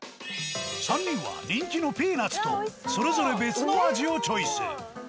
３人は人気のピーナッツとそれぞれ別の味をチョイス。